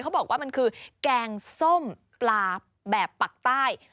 เขาบอกว่ามันคือแกงส้มปลาแบบปักใต้